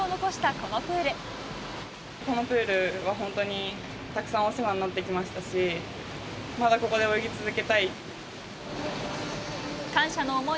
このプールには本当にたくさんお世話になってきましたし、まだここで泳ぎ続けたい。